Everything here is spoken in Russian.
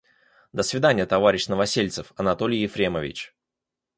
До свиданья, товарищ Новосельцев, Анатолий Ефремович.